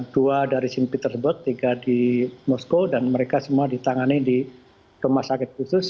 dua dari simpit tersebut tiga di moskow dan mereka semua ditangani di rumah sakit khusus